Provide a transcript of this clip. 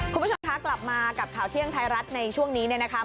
คุณผู้ชมคะกลับมากับข่าวเที่ยงไทยรัฐในช่วงนี้เนี่ยนะคะ